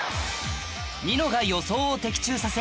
ニノが予想を的中させ